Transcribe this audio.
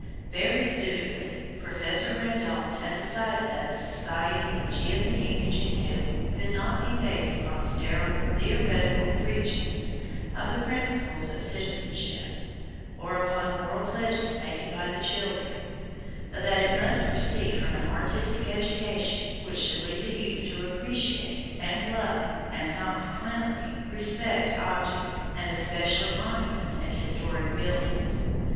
Very suitably, Professor Randone had decided that the society of Giovinezza Gentile could not be based upon sterile theoretical preachings of the principles of citizenship, or upon moral pledges taken by the children; but that it must proceed from an artistic education which should lead the youth to appreciate and love, and consequently respect, objects and especially monuments and historic buildings.